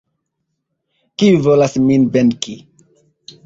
Kiu volas min venki?